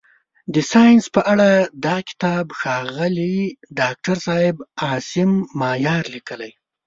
د ساینس په اړه دا کتاب ښاغلي داکتر صاحب عاصم مایار لیکلی.